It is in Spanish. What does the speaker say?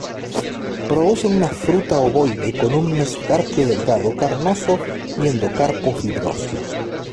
Producen una fruta ovoide con un mesocarpio delgado, carnoso y endocarpo fibroso.